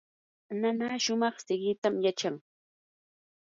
nana shumaq siqitam yachan.